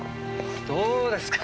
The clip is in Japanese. どうですか？